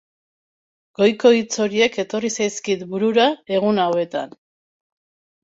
Goiko hitz horiek etorri zaizkit burura egun hauetan.